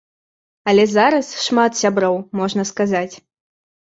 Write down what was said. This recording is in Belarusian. Але зараз шмат сяброў, можна сказаць.